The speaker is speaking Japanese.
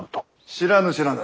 知らぬ知らぬ。